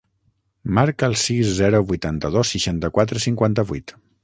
Marca el sis, zero, vuitanta-dos, seixanta-quatre, cinquanta-vuit.